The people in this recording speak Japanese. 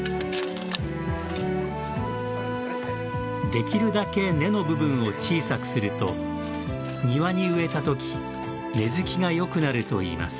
できるだけ根の部分を小さくすると庭に植えたとき根づきが、よくなると言います。